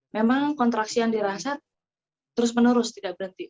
memang kontraksi yang dirasa terus menerus tidak berhenti